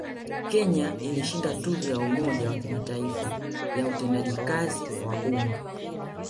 Kenya ilishinda tuzo ya Umoja wa Kimataifa ya Utendaji kazi wa Umma